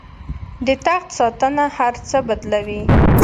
د تخت ساتنه هر څه بدلوي.